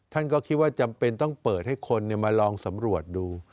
ท่านก็คิดว่าจำเป็นต้องเปิดให้คนมาลองสำรวจดู